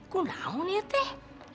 kok gaun ya teh